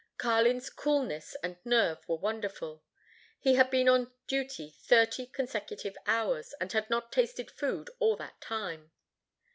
Carlin's coolness and nerve were wonderful. He had been on duty thirty consecutive hours, and had not tasted food all that time.